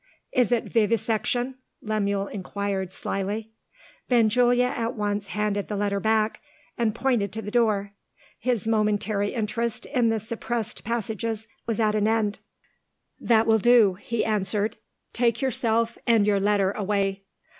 "Is it Vivisection?" Lemuel inquired slyly. Benjulia at once handed the letter back, and pointed to the door. His momentary interest in the suppressed passages was at an end. "That will do," he answered. "Take yourself and your letter away."